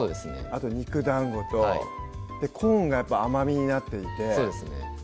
あと肉団子とコーンがやっぱ甘みになっていてそうですね